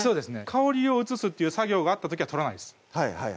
香りを移すっていう作業があった時は取らないです